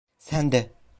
Sen de!